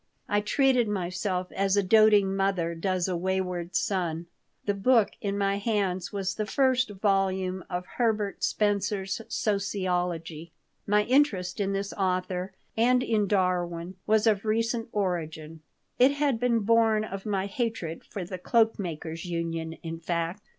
I treated myself as a doting mother does a wayward son The book in my hands was the first volume of Herbert Spencer's Sociology. My interest in this author and in Darwin was of recent origin. It had been born of my hatred for the Cloak makers' Union, in fact.